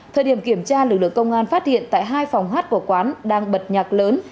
thời điểm kiểm tra lực lượng công an phát hiện tại hai phòng hát của quán đang bật nhạc lớn